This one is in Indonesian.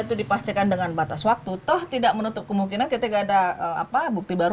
kita sudah predikakan dengan batas waktu toh tidak menutup kemungkinan ketika ada apa bukti baru